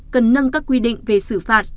cần nâng các quy định về xử phạt